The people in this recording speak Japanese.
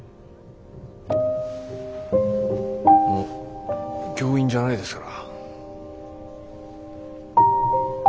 もう教員じゃないですから。